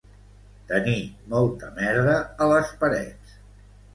Tenir molta merda a les parets